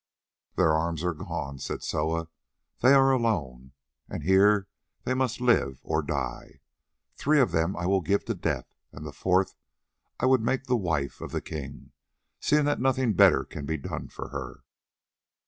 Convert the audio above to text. "Their arms are gone," said Soa, "they are alone, here they must live or die. Three of them I will give to death, and the fourth I would make the wife of the King, seeing that nothing better can be done for her.